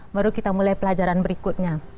baru kita mulai pelajaran berikutnya